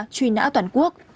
truy nã toàn quốc